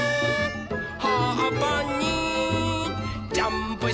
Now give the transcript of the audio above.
「はっぱにジャンプして」